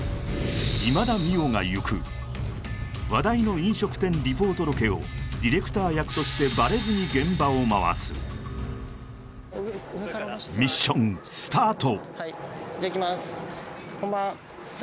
今田美桜が行く話題の飲食店リポートロケをディレクター役としてバレずに現場を回すミッションスタート